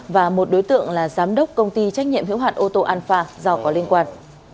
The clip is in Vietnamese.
và một đối tượng là giám đốc công ty trách nhiệm hữu hạn ô tô an pha do có liên quan